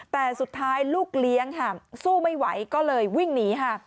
แต่สุดท้ายลูกเลี้ยงค่ะสู้ไม่ไหวก็เลยวิ่งหนีค่ะ